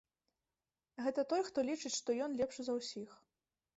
Гэта той, хто лічыць, што ён лепшы за ўсіх.